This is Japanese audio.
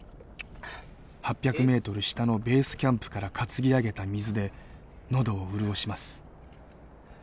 ８００ｍ下のベースキャンプから担ぎ上げた水でのどを潤します。